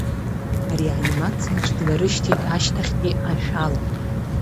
Ареанимациаҿ дларышьҭит ашьҭахьтәи ашә ала.